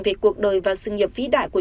về cuộc đời và sự nghiệp vĩ đại của